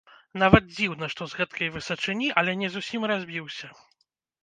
Нават дзіўна, што з гэткай высачыні, але не зусім разбіўся!